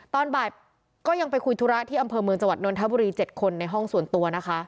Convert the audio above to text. ตอนบ่ายก็ยังไปคุยธุระที่อำเภอเมืองจังหวัดนทบุรี๗คนในห้องส่วนตัวนะคะ